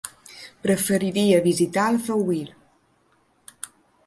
Preferiria visitar Alfauir.